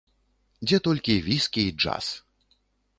Дзе толькі віскі і джаз.